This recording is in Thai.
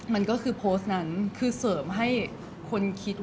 หรือเสริมข้อมูลที่มันอาจจะไม่ได้จริงทั้งหมด